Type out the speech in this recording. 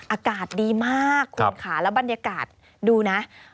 อากาศดีมากคุณค่ะแล้วบรรยากาศดูนะ